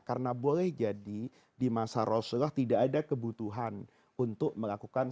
karena boleh jadi di masa rasulullah tidak ada kebetulan